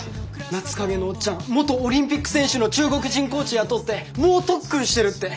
夏影のオッチャン元オリンピック選手の中国人コーチ雇って猛特訓してるって。